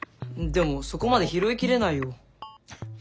でもそこまで拾いきれないよ。